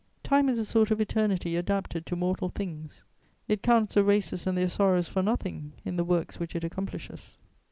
Time is a sort of eternity adapted to mortal things; it counts the races and their sorrows for nothing in the works which it accomplishes.